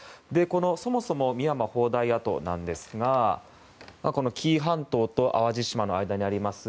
そもそも深山砲台跡なんですが紀伊半島と淡路島の間にあります